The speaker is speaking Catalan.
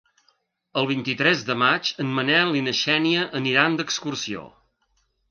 El vint-i-tres de maig en Manel i na Xènia aniran d'excursió.